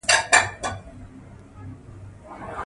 د زده کړې په لار کې هېڅ ډول ستړیا شتون نه لري.